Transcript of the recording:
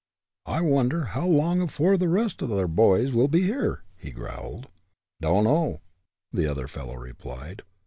"I wonder how long afore the rest o' ther boys will be here," he growled. "Dunno," the other fellow replied.